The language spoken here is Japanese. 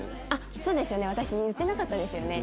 そうですよね私言ってなかったですよね。